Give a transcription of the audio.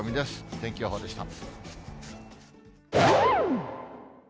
天気予報でした。